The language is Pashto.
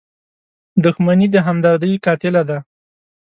• دښمني د همدردۍ قاتله ده.